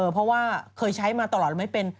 เพราะว่าเคยใช้มาตลอดแล้วไม่เป็น